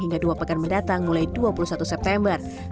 hingga dua pekan mendatang mulai dua puluh satu september